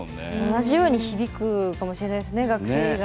同じように響くかもしれないですね。